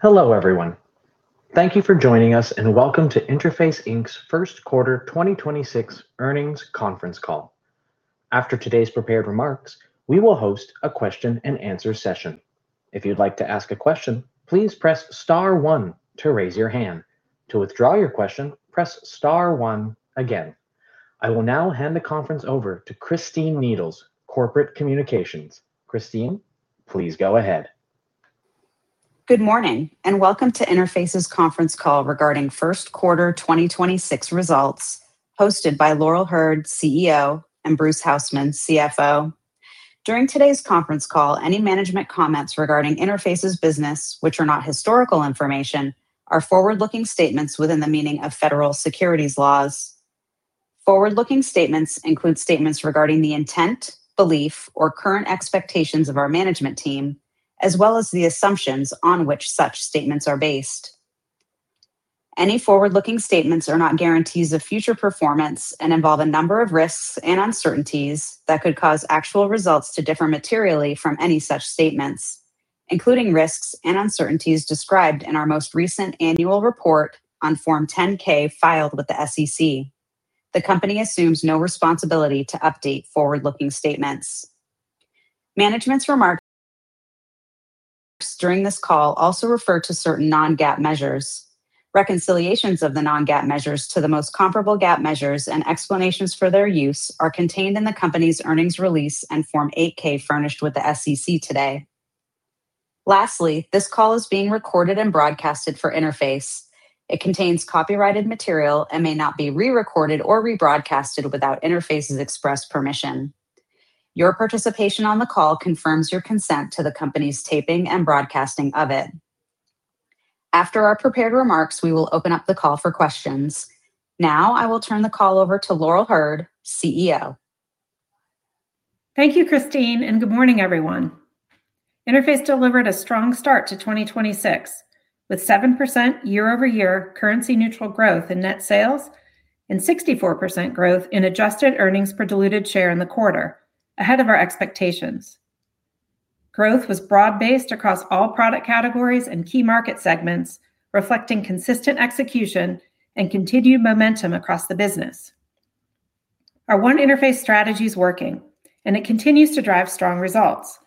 Hello, everyone. Thank you for joining us, and welcome to Interface, Inc. First Quarter 2026 Earnings Conference Call. After today's prepared remarks, we will host a question and answer session. If you'd like to ask a question, please press star one to raise your hand. To withdraw your question, press star one again. I will now hand the conference over to Christine Needles, Corporate Communications. Christine, please go ahead. Good morning, and welcome to Interface's conference call regarding first quarter 2026 results, hosted by Laurel Hurd, CEO, and Bruce Hausmann, CFO. During today's conference call, any management comments regarding Interface's business, which are not historical information, are forward-looking statements within the meaning of federal securities laws. Forward-looking statements include statements regarding the intent, belief, or current expectations of our management team, as well as the assumptions on which such statements are based. Any forward-looking statements are not guarantees of future performance and involve a number of risks and uncertainties that could cause actual results to differ materially from any such statements, including risks and uncertainties described in our most recent annual report on Form 10-K filed with the SEC. The company assumes no responsibility to update forward-looking statements. Management's remarks during this call also refer to certain non-GAAP measures. Reconciliations of the non-GAAP measures to the most comparable GAAP measures and explanations for their use are contained in the company's earnings release and Form 8-K furnished with the SEC today. This call is being recorded and broadcasted for Interface. It contains copyrighted material and may not be re-recorded or rebroadcasted without Interface's express permission. Your participation on the call confirms your consent to the company's taping and broadcasting of it. After our prepared remarks, we will open up the call for questions. I will turn the call over to Laurel Hurd, CEO. Thank you, Christine, and good morning, everyone. Interface delivered a strong start to 2026, with 7% year-over-year currency neutral growth in net sales and 64% growth in adjusted earnings per diluted share in the quarter, ahead of our expectations. Growth was broad-based across all product categories and key market segments, reflecting consistent execution and continued momentum across the business. Our One Interface strategy is working, and it continues to drive strong results.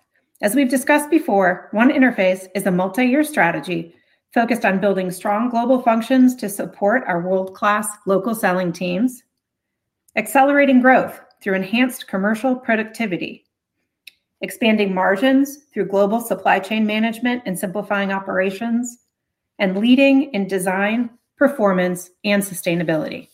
As we've discussed before, One Interface is a multi-year strategy focused on building strong global functions to support our world-class local selling teams, accelerating growth through enhanced commercial productivity, expanding margins through global supply chain management and simplifying operations, and leading in design, performance, and sustainability.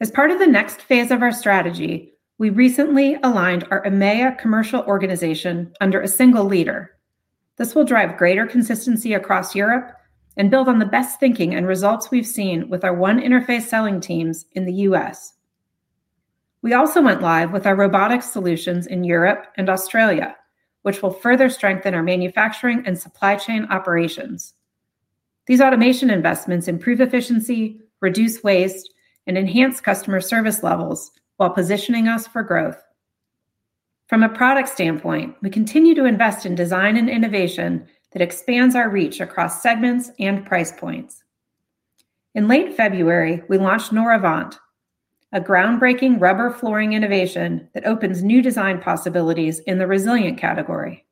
As part of the next phase of our strategy, we recently aligned our EMEA commercial organization under a single leader. This will drive greater consistency across Europe and build on the best thinking and results we've seen with our One Interface selling teams in the U.S. We also went live with our robotic solutions in Europe and Australia, which will further strengthen our manufacturing and supply chain operations. These automation investments improve efficiency, reduce waste, and enhance customer service levels while positioning us for growth. From a product standpoint, we continue to invest in design and innovation that expands our reach across segments and price points. In late February, we launched noravant, a groundbreaking rubber flooring innovation that opens new design possibilities in the resilient category.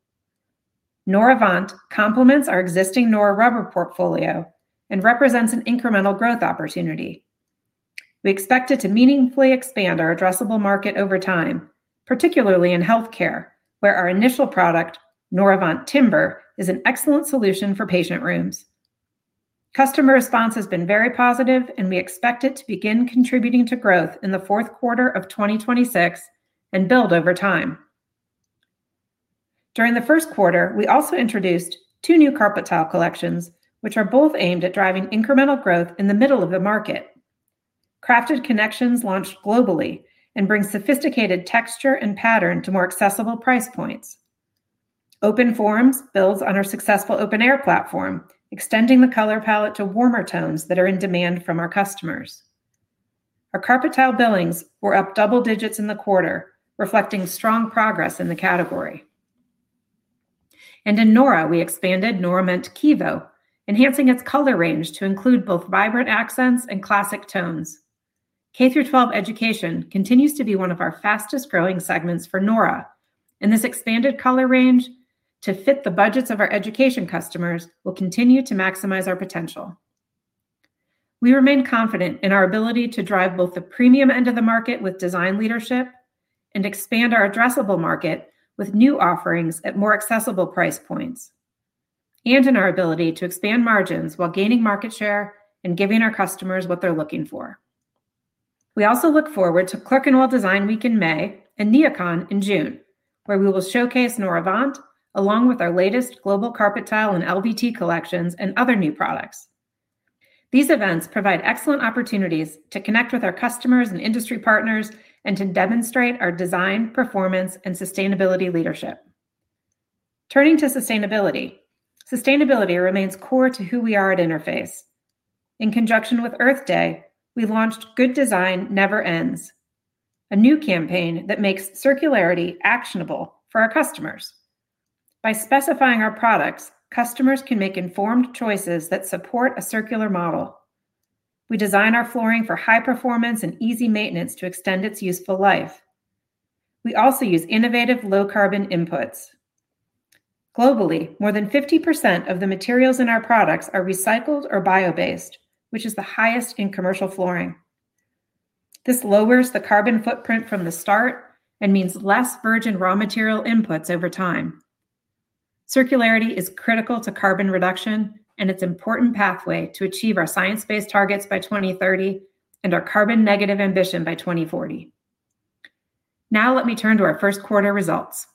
Noravant complements our existing nora rubber portfolio and represents an incremental growth opportunity. We expect it to meaningfully expand our addressable market over time, particularly in healthcare, where our initial product, noravant timber, is an excellent solution for patient rooms. Customer response has been very positive, and we expect it to begin contributing to growth in the fourth quarter of 2026 and build over time. During the first quarter, we also introduced two new carpet tile collections, which are both aimed at driving incremental growth in the middle of the market. Crafted Connections launched globally and brings sophisticated texture and pattern to more accessible price points. Open Forms builds on our successful Open Air platform, extending the color palette to warmer tones that are in demand from our customers. Our carpet tile billings were up double digits in the quarter, reflecting strong progress in the category. In nora, we expanded norament kivo, enhancing its color range to include both vibrant accents and classic tones. K through 12 education continues to be one of our fastest-growing segments for nora, this expanded color range to fit the budgets of our education customers will continue to maximize our potential. We remain confident in our ability to drive both the premium end of the market with design leadership and expand our addressable market with new offerings at more accessible price points, and in our ability to expand margins while gaining market share and giving our customers what they're looking for. We also look forward to Clerkenwell Design Week in May and NeoCon in June, where we will showcase noravant along with our latest global carpet tile and LVT collections and other new products. These events provide excellent opportunities to connect with our customers and industry partners and to demonstrate our design, performance, and sustainability leadership. Turning to sustainability. Sustainability remains core to who we are at Interface. In conjunction with Earth Day, we launched Good Design Never Ends, a new campaign that makes circularity actionable for our customers. By specifying our products, customers can make informed choices that support a circular model. We design our flooring for high performance and easy maintenance to extend its useful life. We also use innovative low carbon inputs. Globally, more than 50% of the materials in our products are recycled or bio-based, which is the highest in commercial flooring. This lowers the carbon footprint from the start and means less virgin raw material inputs over time. Circularity is critical to carbon reduction, and it's an important pathway to achieve our science-based targets by 2030 and our carbon negative ambition by 2040. Let me turn to our first quarter results.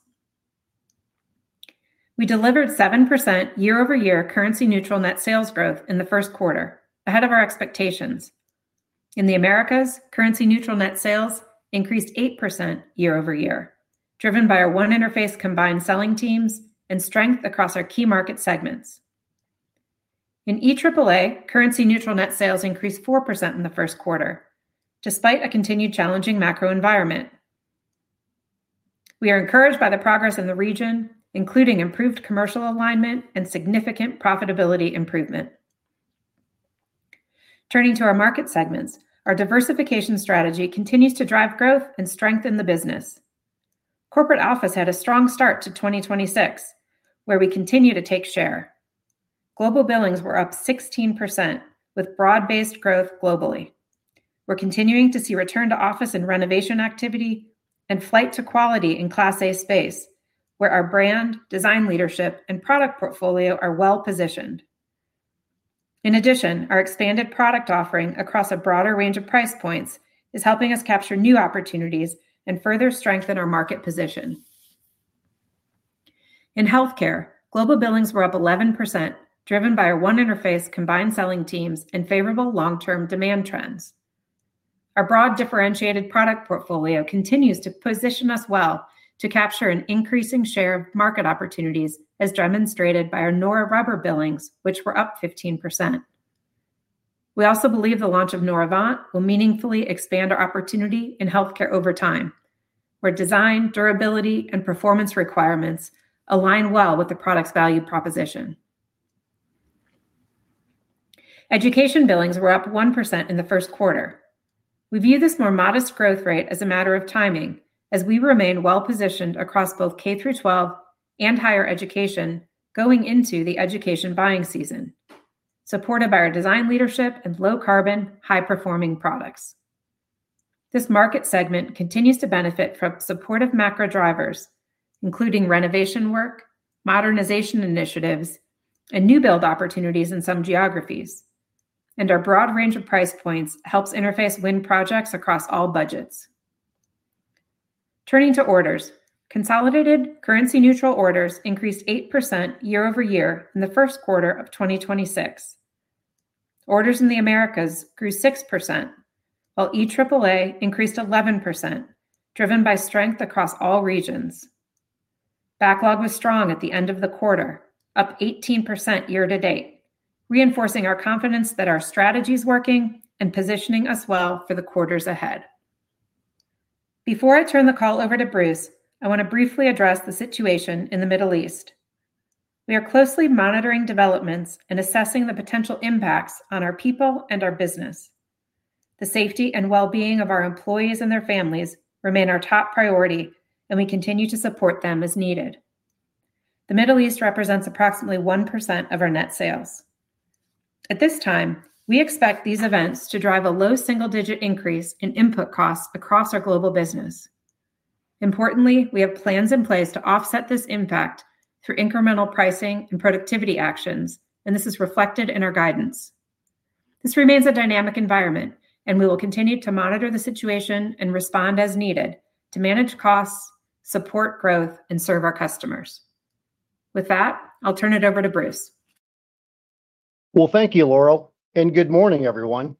We delivered 7% year-over-year currency neutral net sales growth in the first quarter, ahead of our expectations. In the Americas, currency neutral net sales increased 8% year-over-year, driven by our One Interface combined selling teams and strength across our key market segments. In EAAA, currency neutral net sales increased 4% in the first quarter, despite a continued challenging macro environment. We are encouraged by the progress in the region, including improved commercial alignment and significant profitability improvement. Turning to our market segments, our diversification strategy continues to drive growth and strengthen the business. Corporate office had a strong start to 2026, where we continue to take share. Global billings were up 16% with broad-based growth globally. We're continuing to see return to office and renovation activity and flight to quality in cClass A space, where our brand, design leadership, and product portfolio are well-positioned. In addition, our expanded product offering across a broader range of price points is helping us capture new opportunities and further strengthen our market position. In healthcare, global billings were up 11%, driven by our One Interface combined selling teams and favorable long-term demand trends. Our broad differentiated product portfolio continues to position us well to capture an increasing share of market opportunities, as demonstrated by our nora rubber billings, which were up 15%. We also believe the launch of noravant will meaningfully expand our opportunity in healthcare over time, where design, durability, and performance requirements align well with the product's value proposition. Education billings were up 1% in the first quarter. We view this more modest growth rate as a matter of timing as we remain well-positioned across both K-12 and higher education going into the education buying season, supported by our design leadership and low carbon, high-performing products. This market segment continues to benefit from supportive macro drivers, including renovation work, modernization initiatives, and new build opportunities in some geographies. Our broad range of price points helps Interface win projects across all budgets. Turning to orders. Consolidated currency neutral orders increased 8% year-over-year in the first quarter of 2026. Orders in the Americas grew 6%, while EAAA increased 11%, driven by strength across all regions. Backlog was strong at the end of the quarter, up 18% year-to-date, reinforcing our confidence that our strategy is working and positioning us well for the quarters ahead. Before I turn the call over to Bruce, I want to briefly address the situation in the Middle East. We are closely monitoring developments and assessing the potential impacts on our people and our business. The safety and well-being of our employees and their families remain our top priority, and we continue to support them as needed. The Middle East represents approximately 1% of our net sales. At this time, we expect these events to drive a low single-digit increase in input costs across our global business. Importantly, we have plans in place to offset this impact through incremental pricing and productivity actions, and this is reflected in our guidance. This remains a dynamic environment, and we will continue to monitor the situation and respond as needed to manage costs, support growth, and serve our customers. With that, I'll turn it over to Bruce. Well, thank you, Laurel, and good morning, everyone.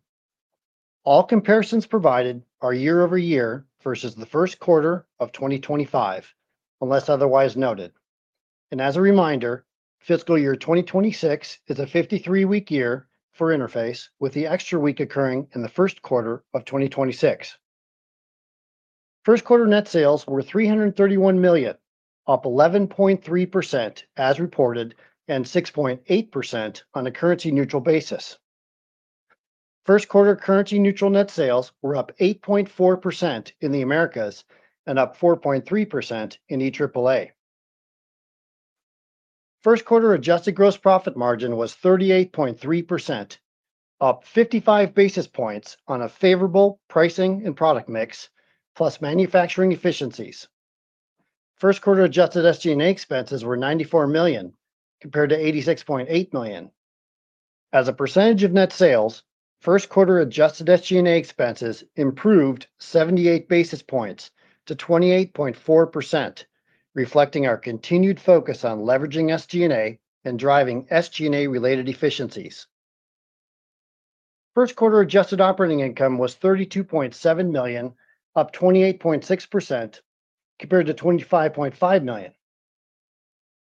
All comparisons provided are year-over-year versus the first quarter of 2025, unless otherwise noted. As a reminder, fiscal year 2026 is a 53-week year for Interface, with the extra week occurring in the first quarter of 2026. First quarter net sales were $331 million, up 11.3% as reported and 6.8% on a currency neutral basis. First quarter currency neutral net sales were up 8.4% in the Americas and up 4.3% in EAAA. First quarter adjusted gross profit margin was 38.3%, up 55 basis points on a favorable pricing and product mix, plus manufacturing efficiencies. First quarter adjusted SG&A expenses were $94 million compared to $86.8 million. As a percentage of net sales, first quarter adjusted SG&A expenses improved 78 basis points to 28.4%, reflecting our continued focus on leveraging SG&A and driving SG&A-related efficiencies. First quarter adjusted operating income was $32.7 million, up 28.6% compared to $25.5 million.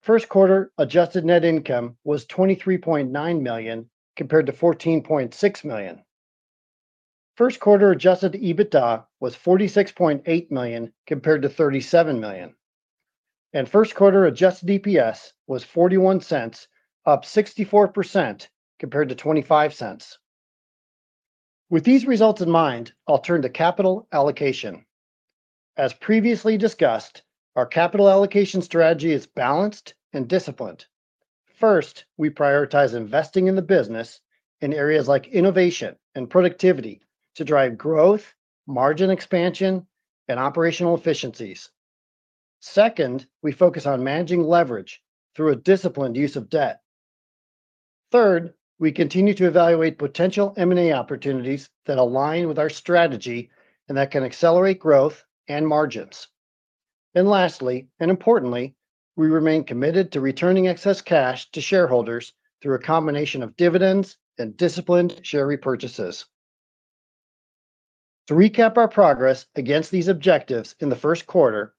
First quarter adjusted net income was $23.9 million, compared to $14.6 million. First quarter adjusted EBITDA was $46.8 million, compared to $37 million. First quarter adjusted EPS was $0.41, up 64%, compared to $0.25. With these results in mind, I'll turn to capital allocation. As previously discussed, our capital allocation strategy is balanced and disciplined. First, we prioritize investing in the business in areas like innovation and productivity to drive growth, margin expansion, and operational efficiencies. Second, we focus on managing leverage through a disciplined use of debt. We continue to evaluate potential M&A opportunities that align with our strategy and that can accelerate growth and margins. Lastly, and importantly, we remain committed to returning excess cash to shareholders through a combination of dividends and disciplined share repurchases. To recap our progress against these objectives in the first quarter,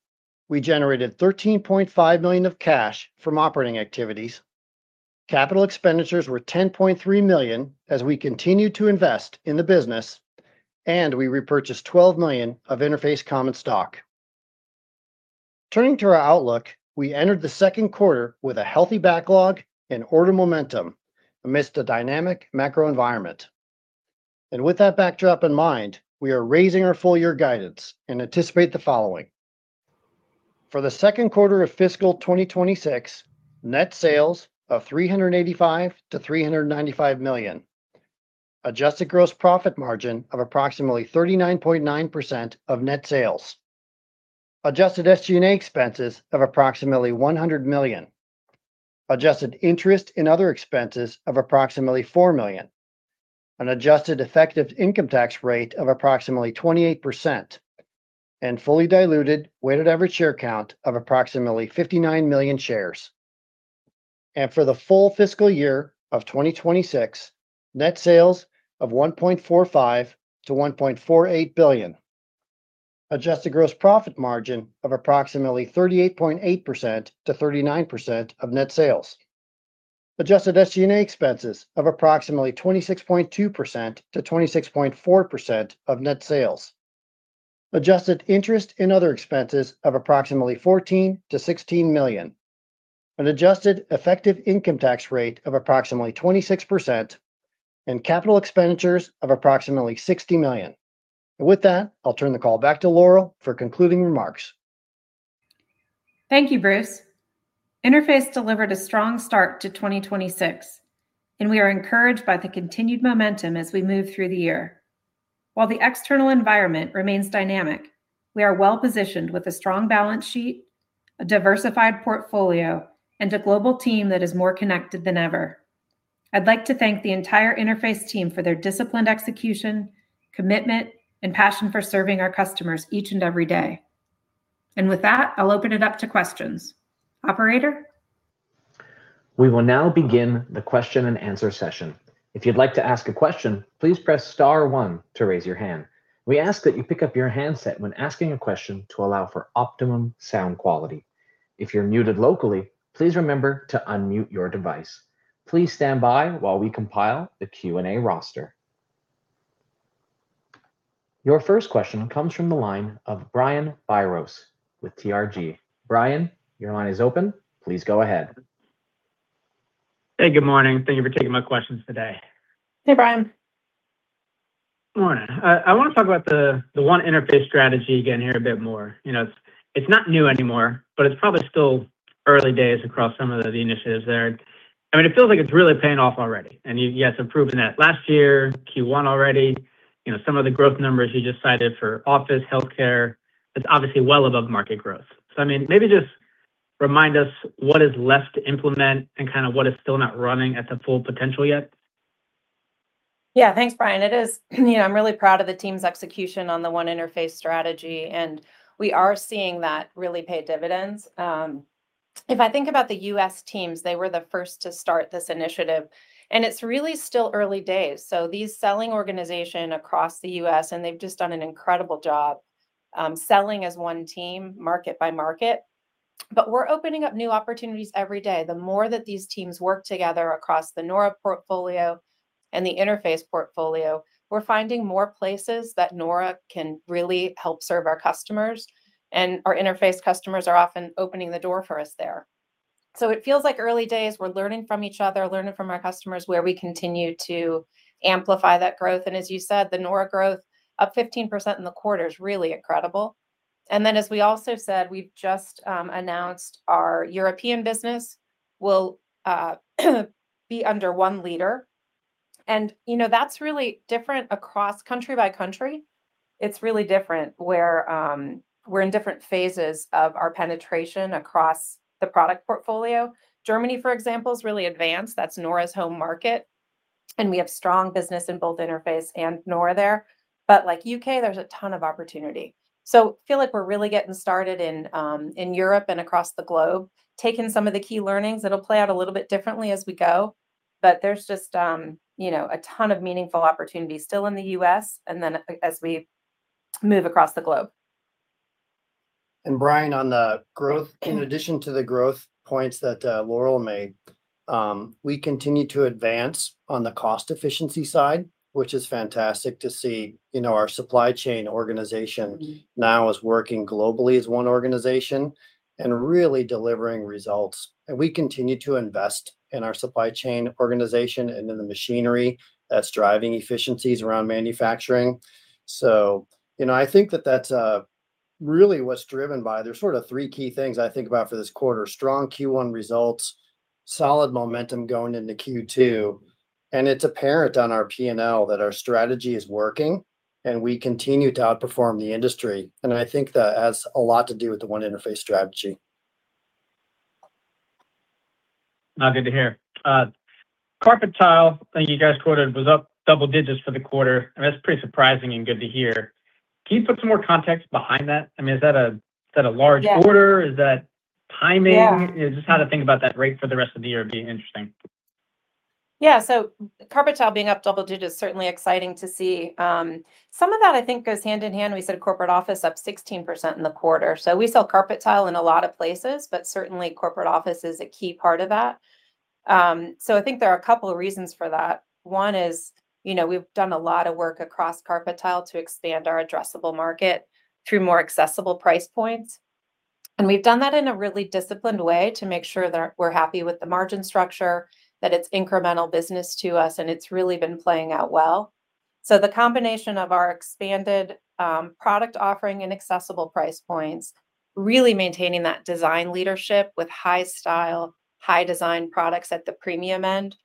we generated $13.5 million of cash from operating activities. Capital expenditures were $10.3 million as we continued to invest in the business, and we repurchased $12 million of Interface common stock. Turning to our outlook, we entered the second quarter with a healthy backlog and order momentum amidst a dynamic macro environment. With that backdrop in mind, we are raising our full year guidance and anticipate the following: for the second quarter of fiscal 2026, net sales of $385 million-$395 million, adjusted gross profit margin of approximately 39.9% of net sales. Adjusted SG&A expenses of approximately $100 million. Adjusted interest and other expenses of approximately $4 million. An adjusted effective income tax rate of approximately 28%, and fully diluted weighted average share count of approximately 59 million shares. For the full fiscal year of 2026, net sales of $1.45 billion-$1.48 billion. Adjusted gross profit margin of approximately 38.8%-39% of net sales. Adjusted SG&A expenses of approximately 26.2%-26.4% of net sales. Adjusted interest and other expenses of approximately $14 million-$16 million. An adjusted effective income tax rate of approximately 26%, capital expenditures of approximately $60 million. With that, I'll turn the call back to Laurel for concluding remarks. Thank you, Bruce Hausmann. Interface delivered a strong start to 2026, and we are encouraged by the continued momentum as we move through the year. While the external environment remains dynamic, we are well-positioned with a strong balance sheet, a diversified portfolio, and a global team that is more connected than ever. I'd like to thank the entire Interface team for their disciplined execution, commitment, and passion for serving our customers each and every day. With that, I'll open it up to questions. Operator? We will now begin the question and answer session. If you'd like to ask a question, please press star one to raise your hand. We ask that you pick up your handset when asking a question to allow for optimum sound quality. If you're muted locally, please remember to unmute your device. Please stand by while we compile the Q&A roster. Your first question comes from the line of Brian Biros with TRG. Brian, your line is open. Please go ahead. Hey, good morning. Thank you for taking my questions today. Hey, Brian. Morning. I want to talk about the One Interface strategy again here a bit more. You know, it's not new anymore, but it's probably still early days across some of the initiatives there. I mean, it feels like it's really paying off already, and you had some proof in that last year, Q1 already. You know, some of the growth numbers you just cited for office, healthcare, it's obviously well above market growth. I mean, maybe just remind us what is left to implement and kind of what is still not running at the full potential yet? Thanks, Brian. It is You know, I'm really proud of the team's execution on the One Interface strategy, and we are seeing that really pay dividends. If I think about the U.S. teams, they were the first to start this initiative, and it's really still early days. These selling organization across the U.S., and they've just done an incredible job, selling as one team market by market, but we're opening up new opportunities every day. The more that these teams work together across the nora portfolio and the Interface portfolio, we're finding more places that nora can really help serve our customers, and our Interface customers are often opening the door for us there. It feels like early days. We're learning from each other, learning from our customers where we continue to amplify that growth. As you said, the nora growth, up 15% in the quarter is really incredible. As we also said, we've just announced our European business will be under one leader, and, you know, that's really different across country by country. It's really different where we're in different phases of our penetration across the product portfolio. Germany, for example, is really advanced. That's nora's home market, and we have strong business in both Interface and nora there. Like U.K., there's a ton of opportunity. Feel like we're really getting started in Europe and across the globe, taking some of the key learnings. It'll play out a little bit differently as we go, but there's just, you know, a ton of meaningful opportunities still in the U.S., as we move across the globe. Brian, on the growth, in addition to the growth points that Laurel made, we continue to advance on the cost efficiency side, which is fantastic to see. You know, our supply chain organization now is working globally as one organization and really delivering results. We continue to invest in our supply chain organization and in the machinery that's driving efficiencies around manufacturing. You know, I think that that's really There's sort of three key things I think about for this quarter. Strong Q1 results, solid momentum going into Q2, and it's apparent on our P&L that our strategy is working, and we continue to outperform the industry. I think that has a lot to do with the One Interface strategy. No, good to hear. carpet tile, I think you guys quoted, was up double digits for the quarter, and that's pretty surprising and good to hear. Can you put some more context behind that? I mean, is that a large order? Yeah. Is that timing? Yeah. You know, just how to think about that rate for the rest of the year would be interesting. Yeah. carpet tile being up double-digit is certainly exciting to see. Some of that I think goes hand in hand, we said corporate office up 16% in the quarter. We sell carpet tile in a lot of places, but certainly corporate office is a key part of that. I think there are a couple of reasons for that. One is, you know, we've done a lot of work across carpet tile to expand our addressable market through more accessible price points. We've done that in a really disciplined way to make sure that we're happy with the margin structure, that it's incremental business to us, and it's really been playing out well. The combination of our expanded product offering and accessible price points, really maintaining that design leadership with high style, high design products at the premium end.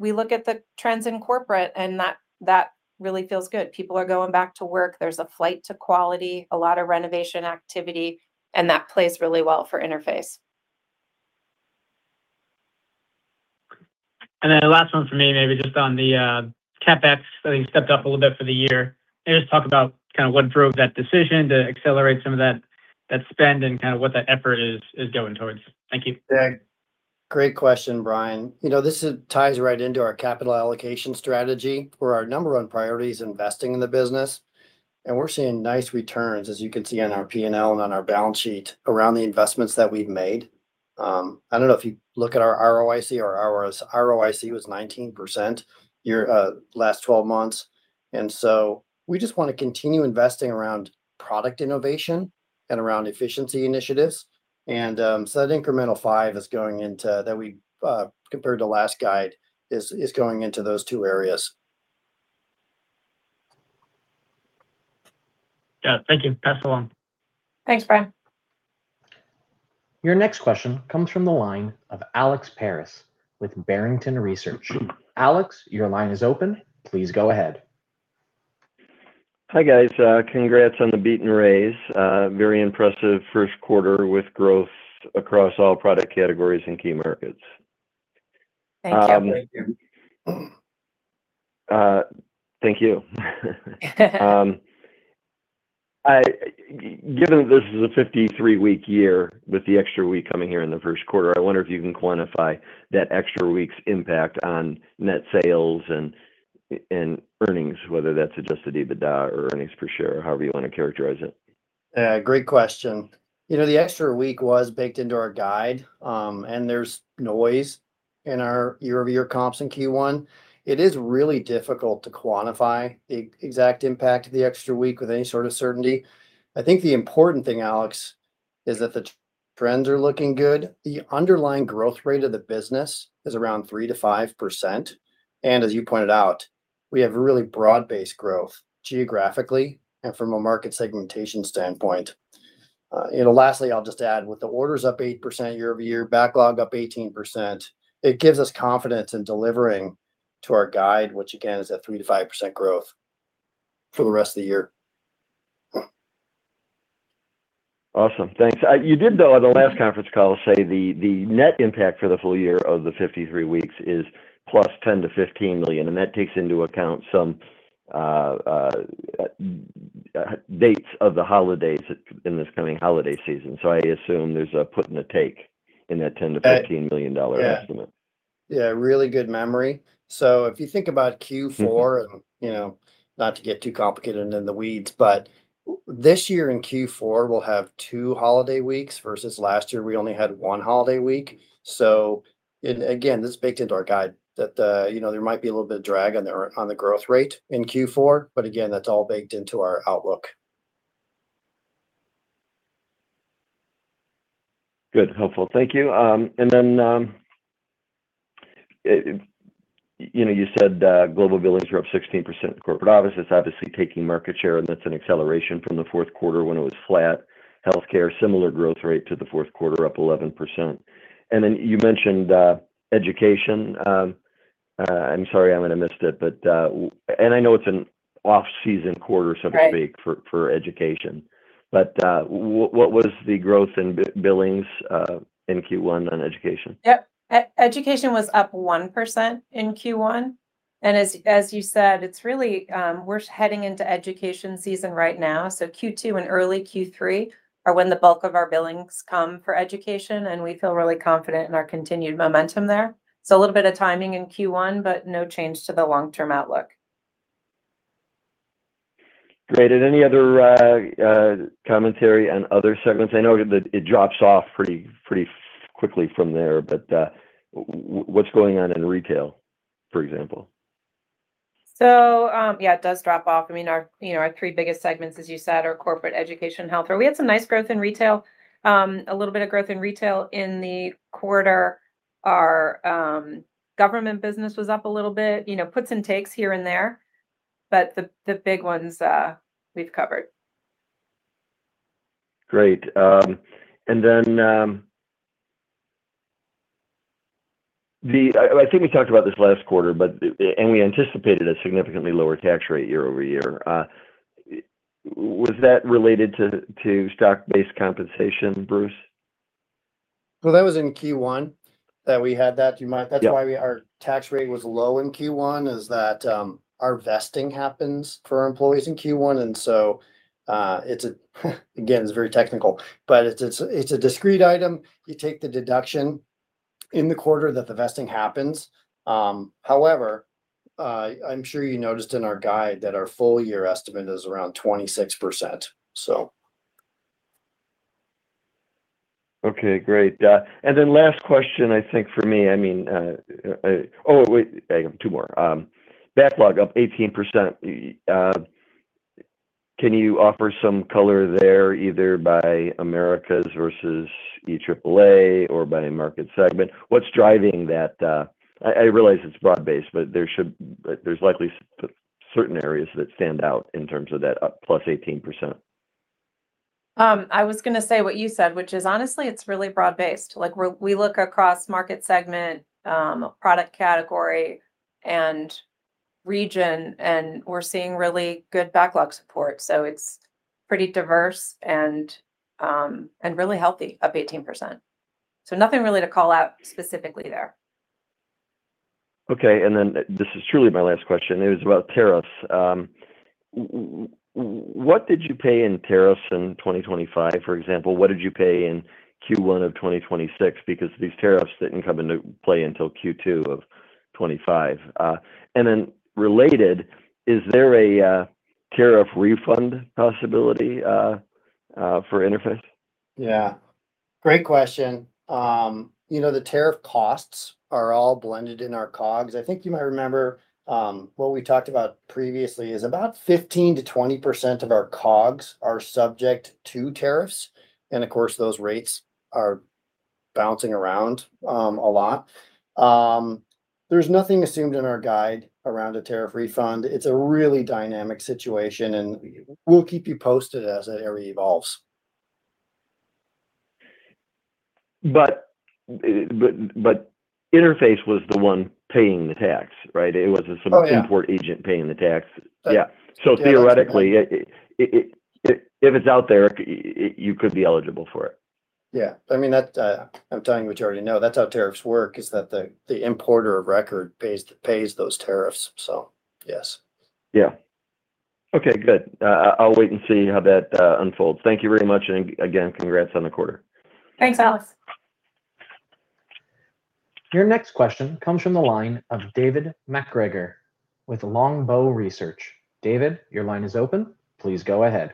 We look at the trends in corporate and that really feels good. People are going back to work. There's a flight to quality, a lot of renovation activity, and that plays really well for Interface. The last one from me, maybe just on the CapEx, I think you stepped up a little bit for the year. Can you just talk about kind of what drove that decision to accelerate some of that spend and kind of what that effort is going towards? Thank you. Yeah. Great question, Brian. You know, this ties right into our capital allocation strategy, where our number one priority is investing in the business, and we're seeing nice returns, as you can see on our P&L and on our balance sheet, around the investments that we've made. I don't know if you look at our ROIC. Our ROIC was 19% year, last 12 months. We just wanna continue investing around product innovation and around efficiency initiatives. That incremental five, that we compared to last guide, is going into those two areas. Yeah. Thank you. Pass along. Thanks, Brian. Your next question comes from the line of Alex Paris with Barrington Research. Alex, your line is open. Please go ahead. Hi, guys. congrats on the beat and raise. very impressive first quarter with growth across all product categories and key markets. Thank you. Thank you. Thank you. Given this is a 53-week year with the extra week coming here in the first quarter, I wonder if you can quantify that extra week's impact on net sales and earnings, whether that's adjusted EBITDA or earnings per share, or however you want to characterize it. Yeah. Great question. You know, the extra week was baked into our guide, and there's noise in our year-over-year comps in Q1. It is really difficult to quantify the exact impact of the extra week with any sort of certainty. I think the important thing, Alex, is that the trends are looking good. The underlying growth rate of the business is around 3%-5%. As you pointed out, we have really broad-based growth geographically and from a market segmentation standpoint. You know, lastly, I'll just add, with the orders up 8% year-over-year, backlog up 18%, it gives us confidence in delivering to our guide, which again is at 3%-5% growth for the rest of the year. Awesome. Thanks. You did though on the last conference call say the net impact for the full year of the 53 weeks is +$10 million-$15 million, and that takes into account some dates of the holidays in this coming holiday season. I assume there's a put and a take in that $10 million-$15 million estimate. Yeah. Yeah, really good memory. If you think about Q4-You know, not to get too complicated and in the weeds, but this year in Q4, we'll have two holiday weeks versus last year we only had one holiday week. Again, this is baked into our guide that, you know, there might be a little bit of drag on the, on the growth rate in Q4, but again, that's all baked into our outlook. Good. Helpful. Thank you. You know, you said global billings were up 16% in corporate office. That's obviously taking market share, and that's an acceleration from the fourth quarter when it was flat. Healthcare, similar growth rate to the fourth quarter, up 11%. You mentioned education. I'm sorry, I might have missed it, but I know it's an off-season quarter so to speak. Right. For education. What was the growth in billings in Q1 on education? Yep. education was up 1% in Q1. as you said, it's really, we're heading into education season right now. Q2 and early Q3 are when the bulk of our billings come for education, and we feel really confident in our continued momentum there. a little bit of timing in Q1, but no change to the long-term outlook. Great. Any other commentary on other segments? I know that it drops off pretty quickly from there, but what's going on in retail, for example? Yeah, it does drop off. I mean, our, you know, our three biggest segments, as you said, are corporate, education, health. We had some nice growth in retail, a little bit of growth in retail in the quarter. Our government business was up a little bit. You know, puts and takes here and there, but the big ones we've covered. Great. I think we talked about this last quarter, but, and we anticipated a significantly lower tax rate year-over-year. Was that related to stock-based compensation, Bruce? Well, that was in Q1 that we had that. Do you mind? Yeah. That's why we, our tax rate was low in Q1, is that our vesting happens for our employees in Q1. Again, it's very technical, but it's a discrete item. You take the deduction in the quarter that the vesting happens. However, I'm sure you noticed in our guide that our full year estimate is around 26%. Okay, great. Last question, I think, for me, I mean, I have two more. Backlog up 18%. Can you offer some color there, either by Americas versus EAAA or by market segment? What's driving that? I realize it's broad-based, but there should, there's likely certain areas that stand out in terms of that up +18%. I was gonna say what you said, which is honestly, it's really broad-based. Like, we look across market segment, product category, and region, and we're seeing really good backlog support. It's pretty diverse and really healthy, up 18%. Nothing really to call out specifically there. Okay. Then this is truly my last question. It is about tariffs. What did you pay in tariffs in 2025? For example, what did you pay in Q1 2026, because these tariffs didn't come into play until Q2 2025? Then related, is there a tariff refund possibility for Interface? Yeah. Great question. You know, the tariff costs are all blended in our COGS. I think you might remember, what we talked about previously, is about 15%-20% of our COGS are subject to tariffs, and of course those rates are bouncing around a lot. There's nothing assumed in our guide around a tariff refund. It's a really dynamic situation, and we'll keep you posted as that area evolves. Interface was the one paying the tax, right? Oh, yeah. It wasn't some import agent paying the tax. But- Yeah. Yeah. If it's out there, you could be eligible for it. Yeah. I mean, that, I'm telling you what you already know. That's how tariffs work, is that the importer of record pays those tariffs. Yes. Yeah. Okay, good. I'll wait and see how that unfolds. Thank you very much. Again, congrats on the quarter. Thanks, Alex. Your next question comes from the line of David MacGregor with Longbow Research. David, your line is open. Please go ahead.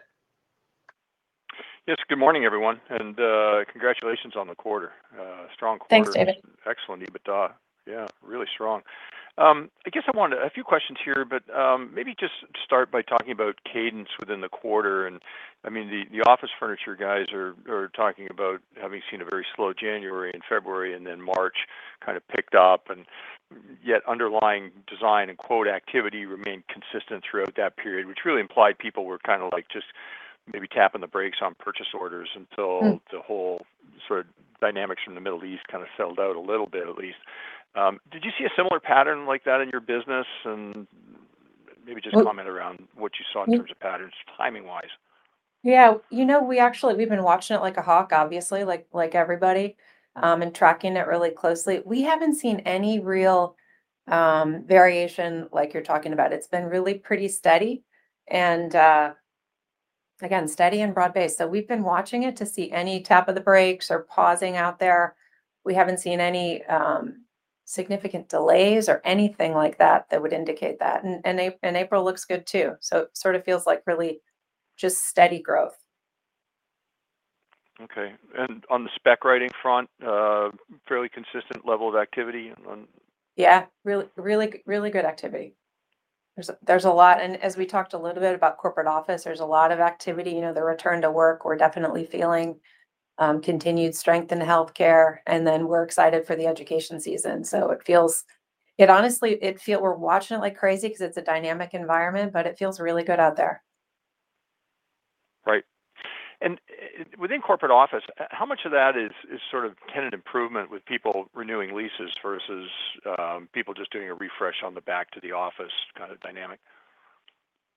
Yes. Good morning, everyone, and congratulations on the quarter. Strong quarter. Thanks, David. Excellent EBITDA. Yeah, really strong. I guess I wanted a few questions here, but maybe just start by talking about cadence within the quarter. I mean, the office furniture guys are talking about having seen a very slow January and February, then March kind of picked up, and yet underlying design and quote activity remained consistent throughout that period, which really implied people were kinda like just maybe tapping the brakes on purchase orders until the whole sort of dynamics from the Middle East kind of settled out a little bit at least. Did you see a similar pattern like that in your business? Maybe just comment around what you saw in terms of patterns timing-wise. Yeah. You know, we actually, we've been watching it like a hawk obviously, like everybody, and tracking it really closely. We haven't seen any real variation like you're talking about. It's been really pretty steady, again, steady and broad-based. We've been watching it to see any tap of the brakes or pausing out there. We haven't seen any significant delays or anything like that that would indicate that. April looks good too, it sort of feels like really just steady growth. Okay. On the spec writing front, fairly consistent level of activity. Yeah, really good activity. There's a lot. As we talked a little bit about corporate office, there's a lot of activity. You know, the return to work, we're definitely feeling continued strength in healthcare, and then we're excited for the education season. It honestly, we're watching it like crazy because it's a dynamic environment, but it feels really good out there. Right. Within corporate office, how much of that is sort of tenant improvement with people renewing leases versus people just doing a refresh on the back to the office kind of dynamic?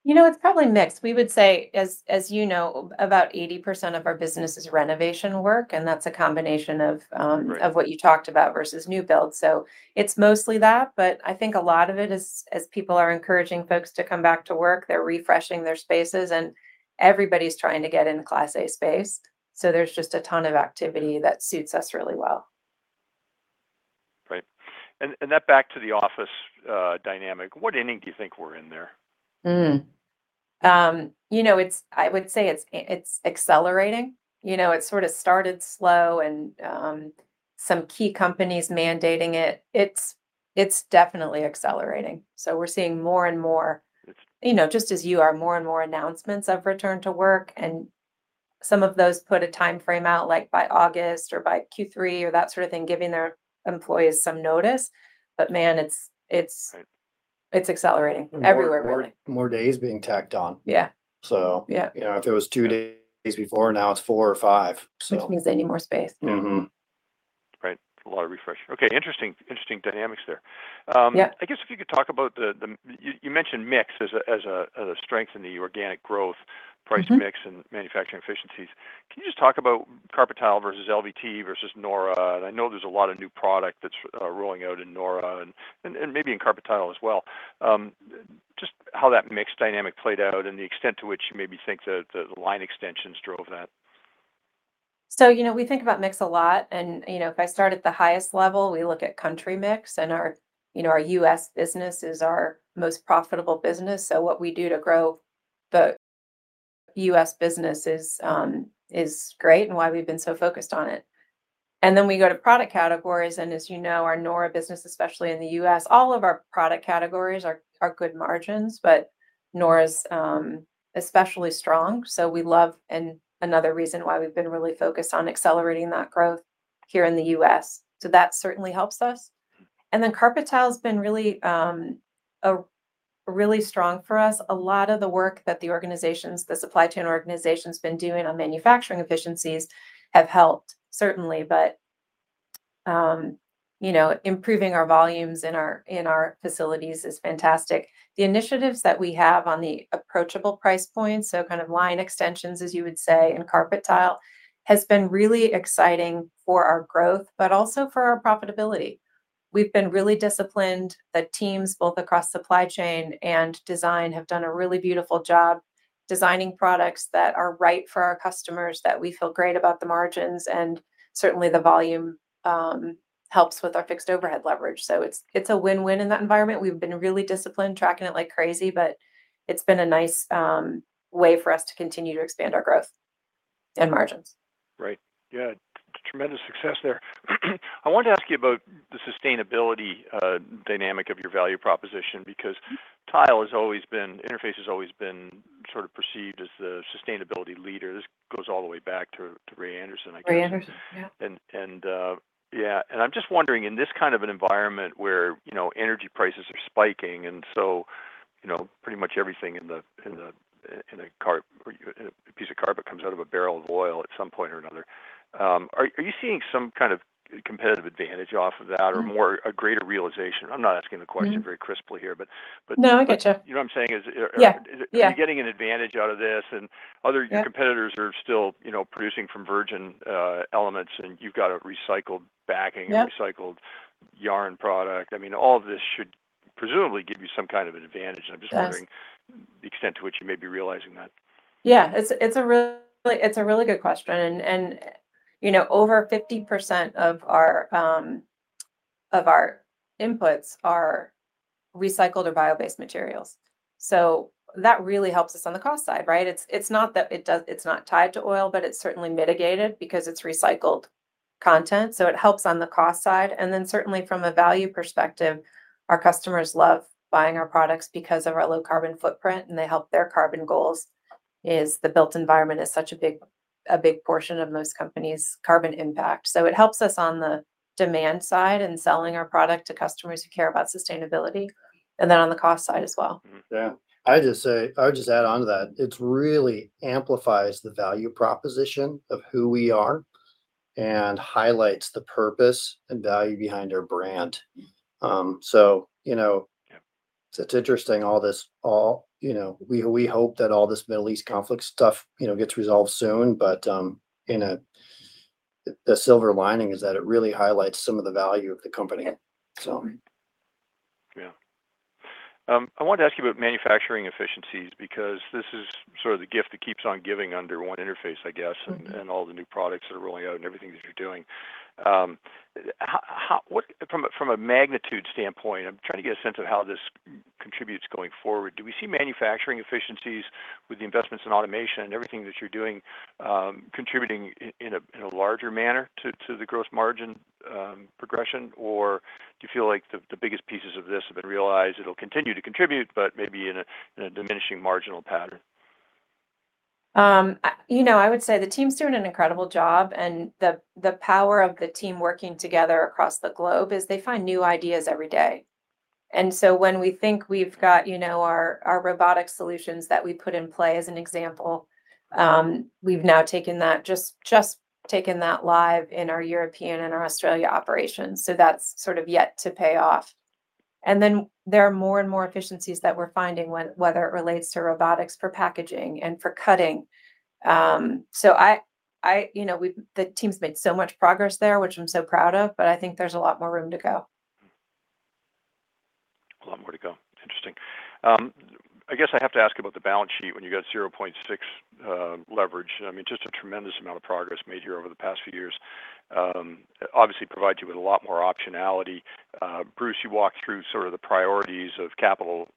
You know, it's probably mixed. We would say, as you know, about 80% of our business is renovation work, and that's a combination of. Right. Of what you talked about versus new build. It's mostly that, but I think a lot of it is, as people are encouraging folks to come back to work, they're refreshing their spaces, and everybody's trying to get in Class A space. There's just a ton of activity that suits us really well Right. That back to the office, dynamic, what inning do you think we're in there? You know, I would say it's accelerating. You know, it sort of started slow and some key companies mandating it. It's definitely accelerating. We're seeing more and more, you know, just as you are, more and more announcements of return to work, and some of those put a timeframe out, like by August or by Q3 or that sort of thing, giving their employees some notice. Man, it's. Right. It's accelerating everywhere really. More, more, more days being tacked on. Yeah. So- Yeah. You know, if it was two days before, now it's four or five. Which means they need more space. Right. A lot of refresh. Okay, interesting dynamics there. Yeah. I guess if you could talk about the you mentioned mix as a strength in the organic growth. Price mix and manufacturing efficiencies. Can you just talk about carpet tile versus LVT versus nora? I know there's a lot of new product that's rolling out in nora and maybe in carpet tile as well. Just how that mix dynamic played out and the extent to which you maybe think the line extensions drove that. You know, we think about mix a lot and, you know, if I start at the highest level, we look at country mix and our, you know, our U.S. business is our most profitable business. What we do to grow the U.S. business is great and why we've been so focused on it. We go to product categories and as you know, our nora business, especially in the U.S., all of our product categories are good margins, but nora's especially strong, and another reason why we've been really focused on accelerating that growth here in the U.S. That certainly helps us. Carpet tile's been really strong for us. A lot of the work that the organizations, the supply chain organization's been doing on manufacturing efficiencies have helped certainly. You know, improving our volumes in our facilities is fantastic. The initiatives that we have on the approachable price points, so kind of line extensions as you would say in carpet tile, has been really exciting for our growth, but also for our profitability. We've been really disciplined. The teams both across supply chain and design have done a really beautiful job designing products that are right for our customers, that we feel great about the margins, and certainly the volume helps with our fixed overhead leverage. It's a win-win in that environment. We've been really disciplined tracking it like crazy, but it's been a nice way for us to continue to expand our growth and margins. Right. Yeah. Tremendous success there. I wanted to ask you about the sustainability dynamic of your value proposition. Interface has always been sort of perceived as the sustainability leader. This goes all the way back to Ray Anderson, I guess. Ray Anderson, yeah. Yeah. I'm just wondering, in this kind of an environment where, you know, energy prices are spiking, you know, pretty much everything in a piece of carpet comes out of a barrel of oil at some point or another, are you seeing some kind of competitive advantage off of that? more, a greater realization? I'm not asking the question.very crisply here, but. No, I get you. You know what I'm saying is. Yeah. Yeah. Are you getting an advantage out of this? Yeah. Competitors are still, you know, producing from virgin elements and you've got a recycled backing. Yeah. A recycled yarn product. I mean, all of this should presumably give you some kind of advantage. Yes. I'm just wondering the extent to which you may be realizing that. Yeah. It's a really good question, and, you know, over 50% of our inputs are recycled or bio-based materials, so that really helps us on the cost side, right? It's not that it does, it's not tied to oil, but it's certainly mitigated because it's recycled content, so it helps on the cost side. Certainly from a value perspective, our customers love buying our products because of our low carbon footprint, and they help their carbon goals, is the built environment is such a big portion of most companies' carbon impact. It helps us on the demand side in selling our product to customers who care about sustainability, and then on the cost side as well. Yeah. I would just add on to that, it really amplifies the value proposition of who we are and highlights the purpose and value behind our brand. You know. Yeah. It's interesting, all this, you know We hope that all this Middle East conflict stuff, you know, gets resolved soon, but the silver lining is that it really highlights some of the value of the company. Yeah. So. I wanted to ask you about manufacturing efficiencies, because this is sort of the gift that keeps on giving under One Interface, I guess. All the new products that are rolling out and everything that you're doing. How, what, from a magnitude standpoint, I'm trying to get a sense of how this contributes going forward. Do we see manufacturing efficiencies with the investments in automation and everything that you're doing, contributing in a larger manner to the gross margin progression? Or do you feel like the biggest pieces of this have been realized, it'll continue to contribute, but maybe in a diminishing marginal pattern? You know, I would say the team's doing an incredible job, and the power of the team working together across the globe is they find new ideas every day. When we think we've got, you know, our robotic solutions that we put in play as an example, we've now just taken that live in our European and our Australia operations, so that's sort of yet to pay off. There are more and more efficiencies that we're finding when, whether it relates to robotics for packaging and for cutting. I, you know, we've, the team's made so much progress there, which I'm so proud of, but I think there's a lot more room to go. Way to go. Interesting. I guess I have to ask about the balance sheet when you got 0.6 leverage. I mean, just a tremendous amount of progress made here over the past few years. Obviously provides you with a lot more optionality. Bruce, you walked through sort of the priorities of capital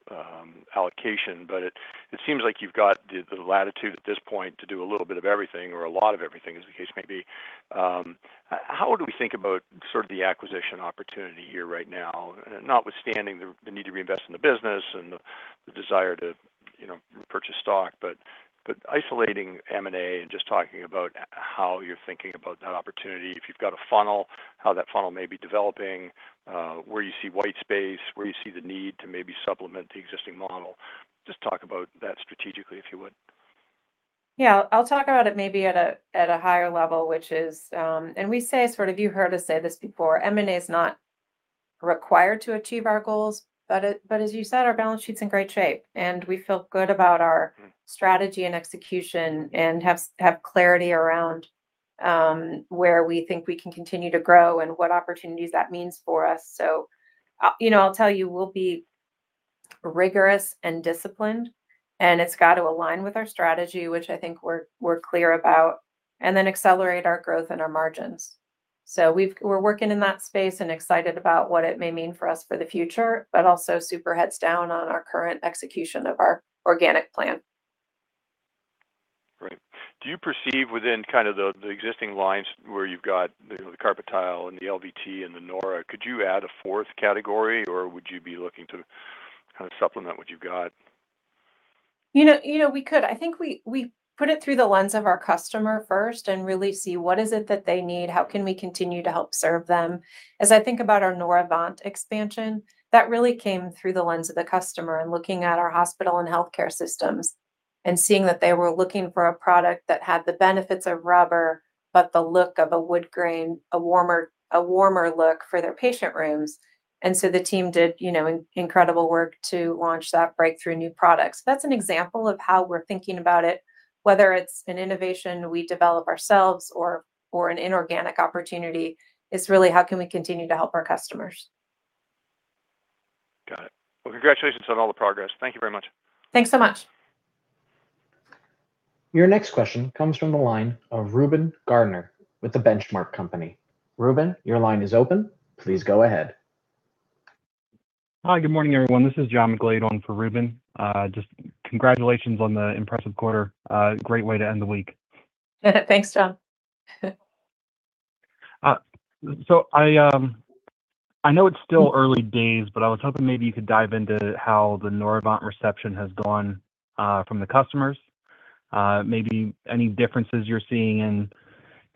allocation, but it seems like you've got the latitude at this point to do a little bit of everything or a lot of everything, as the case may be. How do we think about sort of the acquisition opportunity here right now? Notwithstanding the need to reinvest in the business and the desire to, you know, purchase stock, but isolating M&A and just talking about how you're thinking about that opportunity, if you've got a funnel, how that funnel may be developing, where you see white space, where you see the need to maybe supplement the existing model. Just talk about that strategically, if you would. Yeah. I'll talk about it maybe at a, at a higher level, which is, we say sort of, you heard us say this before, M&A is not required to achieve our goals, but as you said, our balance sheet's in great shape, and we feel good about our strategy and execution, and have clarity around, where we think we can continue to grow and what opportunities that means for us. You know, I'll tell you, we'll be rigorous and disciplined, and it's got to align with our strategy, which I think we're clear about, and then accelerate our growth and our margins. We've, we're working in that space and excited about what it may mean for us for the future, but also super heads down on our current execution of our organic plan. Great. Do you perceive within kind of the existing lines where you've got the carpet tile and the LVT and the nora, could you add a fourth category, or would you be looking to kind of supplement what you've got? You know, we could. I think we put it through the lens of our customer first and really see what is it that they need, how can we continue to help serve them. As I think about our noravant expansion, that really came through the lens of the customer and looking at our hospital and healthcare systems, and seeing that they were looking for a product that had the benefits of rubber, but the look of a wood grain, a warmer look for their patient rooms. The team did, you know, incredible work to launch that breakthrough new product. That's an example of how we're thinking about it, whether it's an innovation we develop ourselves or an inorganic opportunity. It's really, how can we continue to help our customers. Got it. Congratulations on all the progress. Thank you very much. Thanks so much. Your next question comes from the line of Reuben Garner with The Benchmark Company. Reuben, your line is open. Please go ahead. Hi. Good morning, everyone. This is John McGlade on for Reuben Garner. Just congratulations on the impressive quarter. Great way to end the week. Thanks, John. I know it's still early days, but I was hoping maybe you could dive into how the noravant reception has gone from the customers. Maybe any differences you're seeing in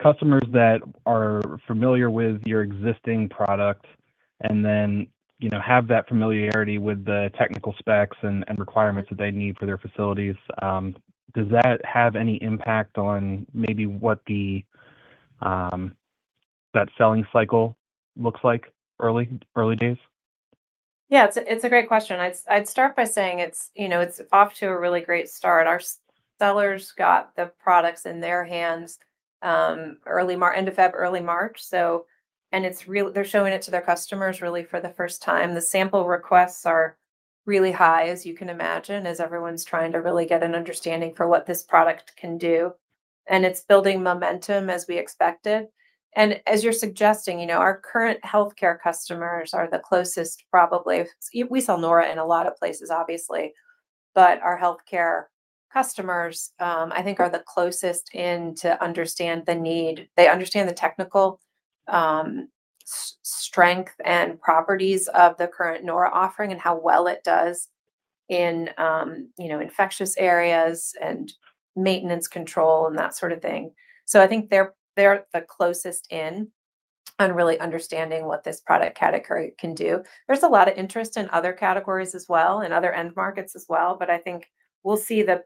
customers that are familiar with your existing product and then, you know, have that familiarity with the technical specs and requirements that they need for their facilities. Does that have any impact on maybe what the that selling cycle looks like early days? Yeah, it's a great question. I'd start by saying it's, you know, it's off to a really great start. Our sellers got the products in their hands, end of February, early March, they're showing it to their customers really for the first time. The sample requests are really high, as you can imagine, as everyone's trying to really get an understanding for what this product can do. It's building momentum as we expected. As you're suggesting, you know, our current healthcare customers are the closest probably. We sell nora in a lot of places, obviously, but our healthcare customers, I think are the closest in to understand the need. They understand the technical strength and properties of the current nora offering and how well it does in, you know, infectious areas and maintenance control and that sort of thing. I think they're the closest in on really understanding what this product category can do. There's a lot of interest in other categories as well, in other end markets as well, but I think we'll see the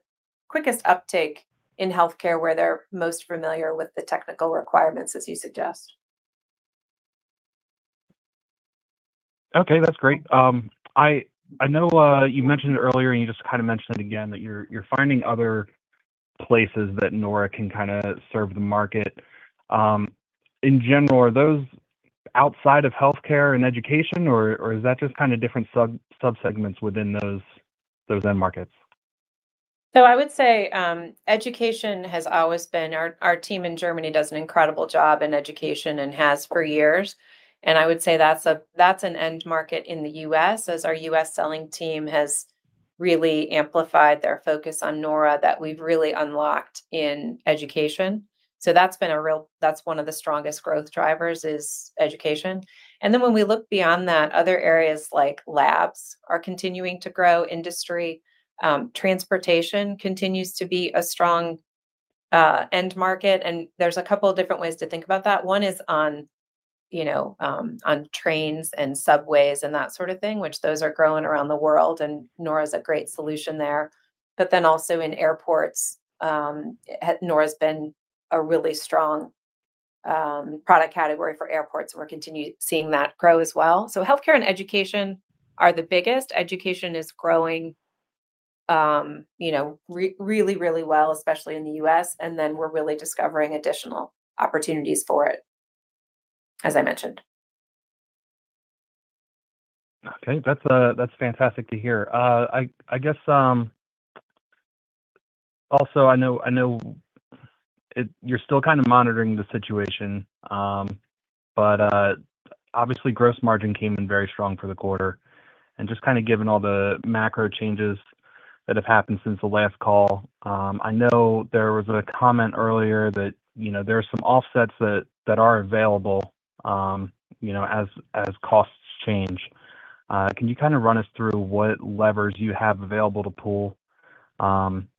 quickest uptake in healthcare, where they're most familiar with the technical requirements, as you suggest. Okay, that's great. I know, you mentioned earlier, and you just kind of mentioned it again that you're finding other places that nora can kind of serve the market. In general, are those outside of healthcare and education or is that just kind of different subsegments within those end markets? I would say, education has always been Our team in Germany does an incredible job in education and has for years, I would say that's an end market in the U.S. as our U.S. selling team has really amplified their focus on Nora that we've really unlocked in education. That's one of the strongest growth drivers is education. When we look beyond that, other areas like labs are continuing to grow. Industry, transportation continues to be a strong end market, and there's a couple different ways to think about that. One is on, you know, on trains and subways and that sort of thing, which those are growing around the world, and Nora's a great solution there. Also in airports, Nora's been a really strong product category for airports, and we're seeing that grow as well. Healthcare and education are the biggest. Education is growing, you know, really, really well, especially in the U.S., we're really discovering additional opportunities for it as I mentioned. Okay. That's fantastic to hear. I guess also, you're still kind of monitoring the situation. Obviously gross margin came in very strong for the quarter, and just kind of given all the macro changes that have happened since the last call, I know there was a comment earlier that, you know, there are some offsets that are available, you know, as costs change. Can you kind of run us through what levers you have available to pull?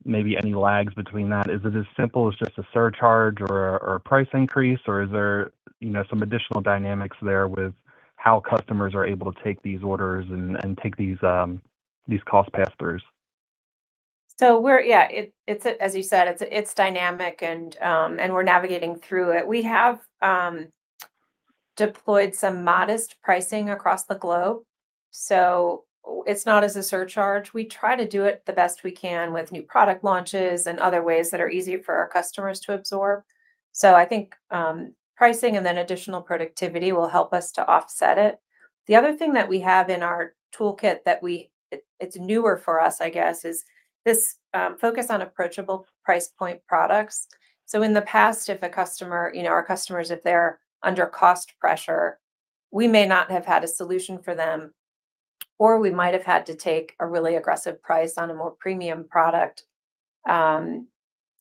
Maybe any lags between that? Is it as simple as just a surcharge or a price increase, or is there, you know, some additional dynamics there with how customers are able to take these orders and take these cost pass-throughs? We're Yeah, it's as you said, it's dynamic, and we're navigating through it. We have deployed some modest pricing across the globe, it's not as a surcharge. We try to do it the best we can with new product launches and other ways that are easier for our customers to absorb. I think pricing and then additional productivity will help us to offset it. The other thing that we have in our toolkit that we it's newer for us, I guess, is this focus on approachable price point products. In the past, if a customer You know, our customers, if they're under cost pressure, we may not have had a solution for them, or we might have had to take a really aggressive price on a more premium product,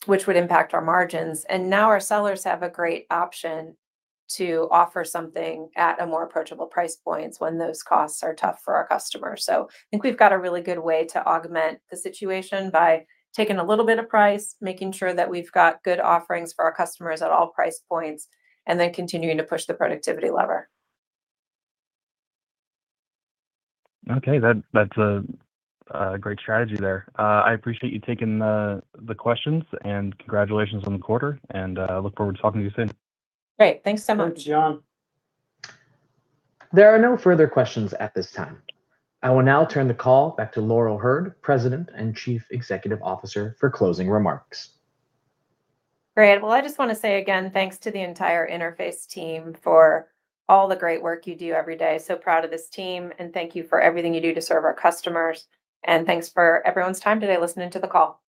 which would impact our margins. Now our sellers have a great option to offer something at a more approachable price points when those costs are tough for our customers. I think we've got a really good way to augment the situation by taking a little bit of price, making sure that we've got good offerings for our customers at all price points, and then continuing to push the productivity lever. Okay. That's a great strategy there. I appreciate you taking the questions, and congratulations on the quarter and look forward to talking to you soon. Great. Thanks so much. Thanks, John. There are no further questions at this time. I will now turn the call back to Laurel Hurd, President and Chief Executive Officer, for closing remarks. Great. Well, I just wanna say again, thanks to the entire Interface team for all the great work you do every day. Proud of this team, and thank you for everything you do to serve our customers. Thanks for everyone's time today listening to the call.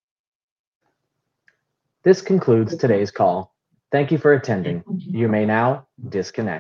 This concludes today's call. Thank you for attending. You may now disconnect.